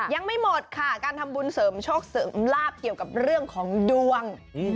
ยังไม่หมดค่ะการทำบุญเสริมโชคเสริมลาบเกี่ยวกับเรื่องของดวง